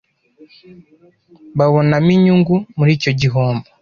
babonamo inyungu muri icyo gihombo